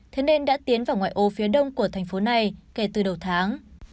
thế nên đã tiến vào ngoại ô phía đông của thành phố này kể từ đầu tháng